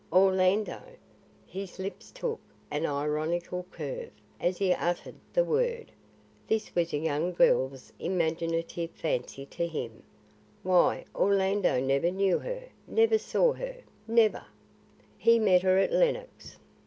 "Orlando?" His lips took an ironical curve, as he uttered the word. This was a young girl's imaginative fancy to him. "Why Orlando never knew her, never saw her, never " "He met her at Lenox."